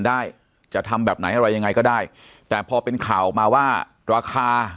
ได้จะทำแบบไหนอะไรยังไงก็ได้แต่พอเป็นข่าวออกมาว่าราคา